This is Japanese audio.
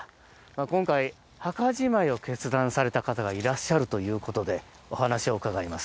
今回、墓じまいを決断された方がいらっしゃるということでお話を伺います。